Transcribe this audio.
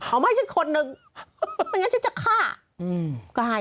เอาไหมฉันคนหนึ่งไม่อยากจะตาย